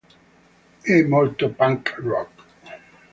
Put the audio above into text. È molto punk rock!